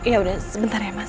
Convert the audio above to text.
iya udah sebentar ya mas